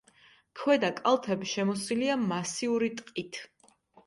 ქვედა კალთები შემოსილია მასიური ტყით.